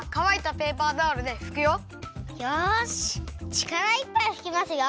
ちからいっぱいふきますよ！